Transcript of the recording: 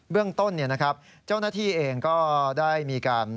เรื่องต้นเจ้าหน้าที่เองก็ได้มีการ